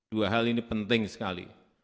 dua hal ini penting sekali